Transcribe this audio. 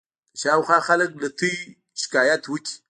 که شاوخوا خلک له تاسې نه شکایت وکړي.